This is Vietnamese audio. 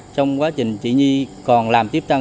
trong quá trình chị nhi còn làm tiếp tân